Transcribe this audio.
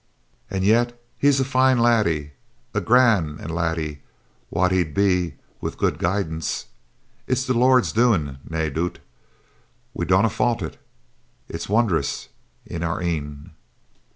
'And yet he's a fine laddie; a gra and laddie wad he be with good guidance. It's the Lord's doing, nae doot, and we daurna fault it; it's wondrous in our een.'